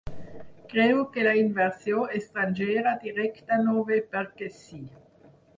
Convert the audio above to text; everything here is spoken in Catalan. Creu que la inversió estrangera directa no ve perquè sí.